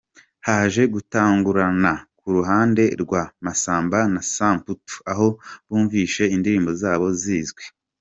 Haje gutungurana k’uruhande rwa Massamba na Samputu aho bumvishe indirimbo zabo zizwi.